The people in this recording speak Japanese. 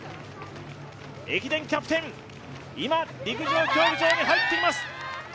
駅伝キャプテン、今陸上競技場に入ってきます。